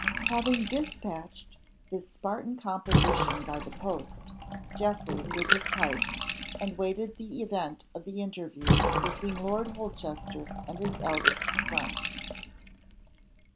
Having dispatched this Spartan composition by the post, Geoffrey lit his pipe, and waited the event of the interview between Lord Holchester and his eldest son.